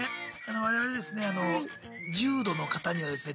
我々ですね重度の方にはですね